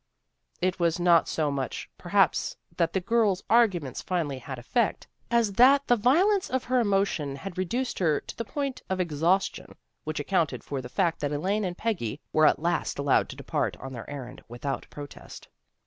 " It was not so much, perhaps, that the girls' arguments finally had effect, as that the vio lence of her emotion had reduced her to the point of exhaustion, which accounted for the fact that Elaine and Peggy were at last al lowed to depart on their errand without protest.